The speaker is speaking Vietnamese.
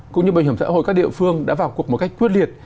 cũng như bảo hiểm xã hội các địa phương đã vào cuộc một cách quyết liệt